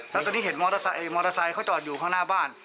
แล้วตอนนี้เห็นมอเตอร์ไซค์เขาจอดอยู่ข้างหน้าบ้าน